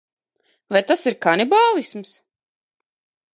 Vai tas ir kanibālisms?